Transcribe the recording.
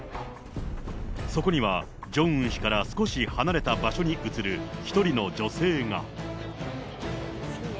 そこにはジョンウン氏から少し離れた場所に写る１人の女性が。